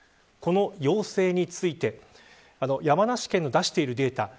この要請について山梨県の出しているデータ